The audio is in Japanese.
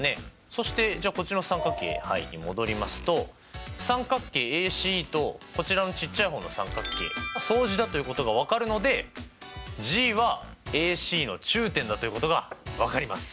そしてじゃあこっちの三角形に戻りますと三角形ＡＣＥとこちらのちっちゃい方の三角形相似だということが分かるのでＧはＡＣの中点だということが分かります！